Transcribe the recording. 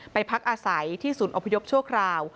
พักอาศัยที่ศูนย์อพยพชั่วคราว